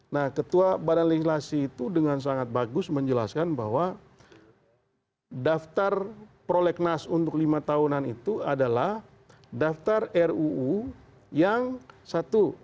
nah ketua badan legislasi itu dengan sangat bagus menjelaskan bahwa daftar prolegnas untuk lima tahunan itu adalah daftar ruu yang satu